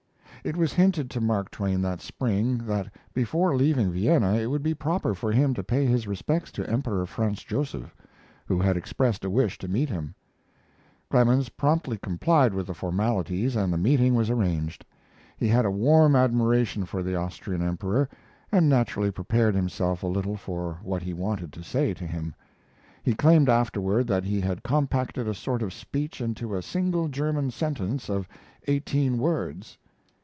It was hinted to Mark Twain that spring, that before leaving Vienna, it would be proper for him to pay his respects to Emperor Franz Josef, who had expressed a wish to meet him. Clemens promptly complied with the formalities and the meeting was arranged. He had a warm admiration for the Austrian Emperor, and naturally prepared himself a little for what he wanted to say to him. He claimed afterward that he had compacted a sort of speech into a single German sentence of eighteen words.